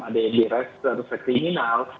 ada yang di resek kriminal